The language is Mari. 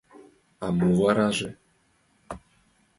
— А мо вараже?